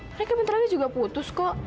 mereka bentar lagi juga putus kok